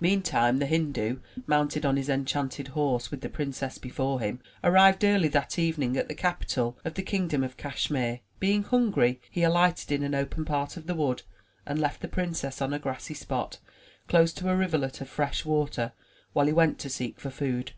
Meantime, the Hindu, mounted on his enchanted horse with the princess before him, arrived early that evening at the capital of the kingdom of Cashmere. Being hungry, he alighted in an open part of the wood, and left the princess on a grassy spot, close to a rivulet of fresh water, while he went to seek for food.